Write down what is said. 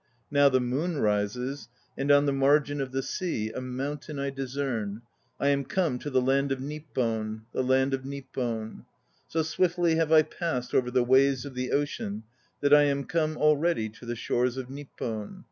Now the moon rises, and on the margin of the sea A mountain I discern. I am come to the land of Nippon, The land of Nippon. So swiftly have I passed over the ways of the ocean that I am come already to the shores of Nippon.